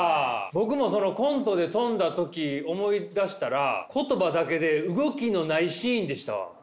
僕もそのコントで飛んだ時思い出したら言葉だけで動きのないシーンでしたわ。